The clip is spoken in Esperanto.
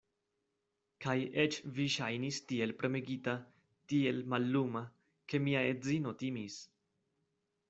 Kaj eĉ vi ŝajnis tiel premegita, tiel malluma, ke mia edzino timis.